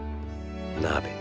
鍋。